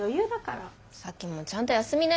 沙樹もちゃんと休みなよ。